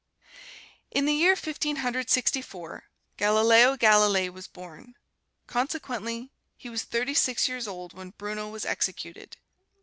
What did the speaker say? In the year Fifteen Hundred Sixty four, Galileo Galilei was born; consequently, he was thirty six years old when Bruno was executed.